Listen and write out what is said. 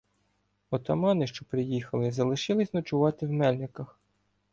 Отамани, що приїхали, залишилися ночувати в Мельниках.